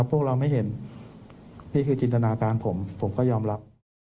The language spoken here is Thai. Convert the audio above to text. พวกเราไม่เห็นนี่คือจินตนาการผมผมก็ยอมรับ